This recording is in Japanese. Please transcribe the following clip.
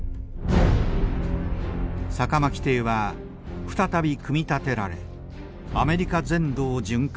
酒巻艇は再び組み立てられアメリカ全土を巡回。